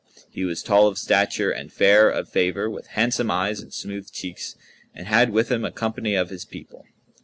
He was tall of stature and fair of favour, with handsome eyes and smooth cheeks, and had with him a company of his people.